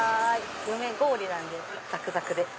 梅ごおりなんでザクザクです